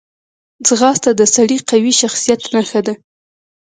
ځغاسته د سړي قوي شخصیت نښه ده